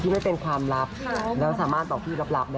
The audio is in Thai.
ไม่เป็นความลับแล้วสามารถบอกพี่ลับ